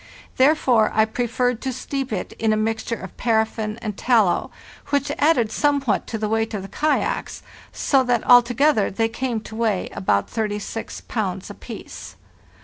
Therefore I preferred to steep it in a mixture of paraffin and tallow, which added somewhat to the weight of the kayaks, so that altogether they came to weigh about 36 pounds apiece.